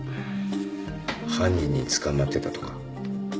犯人に捕まってたとか。